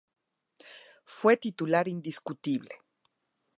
Fue titular indiscutible.